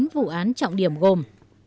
chín vụ án trọng điểm gồm